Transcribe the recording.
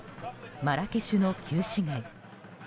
マラケシュの旧市街。